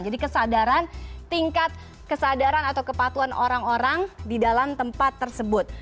jadi kesadaran tingkat kesadaran atau kepatuhan orang orang di dalam tempat tersebut